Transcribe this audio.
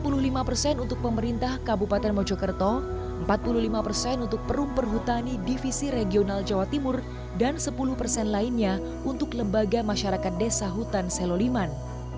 pengelolaannya empat puluh lima untuk pemerintah kabupaten mojokerto empat puluh lima untuk perum perhutani divisi regional jawa timur dan sepuluh lainnya untuk lembaga masyarakat desa hutan seloliman